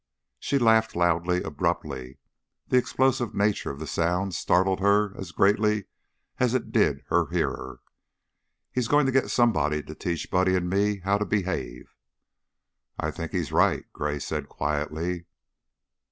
She laughed loudly, abruptly, and the explosive nature of the sound startled her as greatly as it did her hearer. "He's going to get somebody to teach Buddy and me how to behave." "I think he's right," Gray said, quietly.